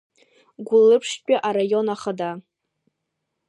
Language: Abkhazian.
Гәылрыԥшьтәи араион ахада…